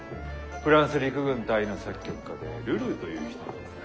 フランス陸軍大尉の作曲家でルルーという人なのですが。